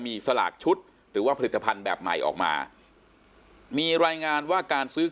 มีสลากชุดหรือว่าผลิตภัณฑ์แบบใหม่ออกมามีรายงานว่าการซื้อ